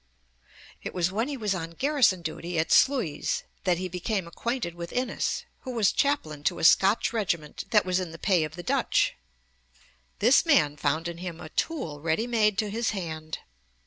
It was when he was on garrison duty at Sluys that he became acquainted with Innes, who was chaplain to a Scotch regiment that was in the pay of the Dutch (p. 148). This man found in him a tool ready made to his hand.